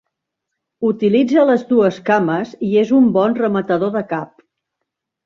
Utilitza les dues cames i és un bon rematador de cap.